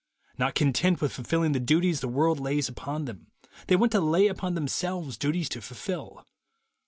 Not content with fulfilling the duties the world lays upon them, they want to lay upon themselves duties to fulfill.